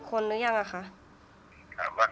คุณพ่อได้จดหมายมาที่บ้าน